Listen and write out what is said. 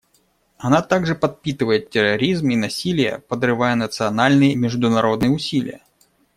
Она также подпитывает терроризм и насилие, подрывая национальные и международные усилия.